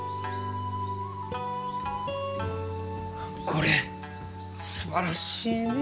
これすばらしいね。